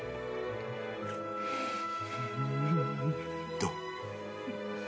どう？